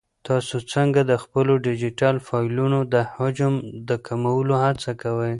تاسو څنګه د خپلو ډیجیټل فایلونو د حجم د کمولو هڅه کوئ؟